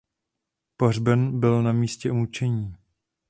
Pohřben byl na místě umučení.